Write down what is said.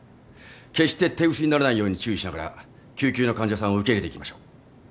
決して手薄にならないように注意しながら救急の患者さんを受け入れていきましょう。